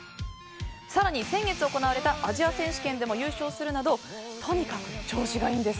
更に、先月行われたアジア選手権でも優勝するなどとにかく調子がいいんです。